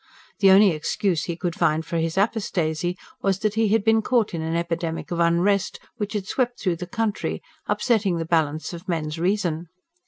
The only excuse he could find for his apostasy was that he had been caught in an epidemic of unrest, which had swept through the country, upsetting the balance of men's reason.